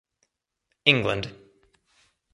England.